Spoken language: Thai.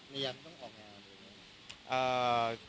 แล้วยังไม่ต้องออกไปไหน